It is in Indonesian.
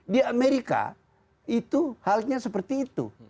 di amerika itu halnya seperti itu